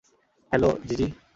Hello, জিজি।